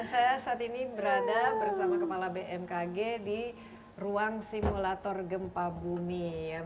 saya saat ini berada bersama kepala bmkg di ruang simulator gempa bumi